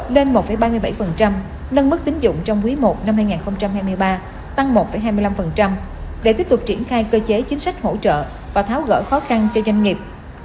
lên một ba mươi bảy nâng mức tính dụng trong quý i năm hai nghìn hai mươi ba tăng một hai mươi năm để tiếp tục triển khai cơ chế chính sách hỗ trợ và tháo gỡ khó khăn cho doanh nghiệp